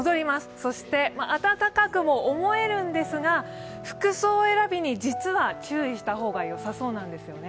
そして暖かくも思えるんですが、服装選びに実は注意した方がよさそうなんですよね。